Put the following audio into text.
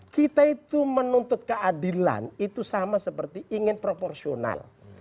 kita itu menuntut keadilan itu sama seperti ingin proporsional